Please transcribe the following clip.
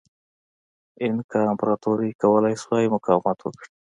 اینکا امپراتورۍ کولای شوای مقاومت وکړي.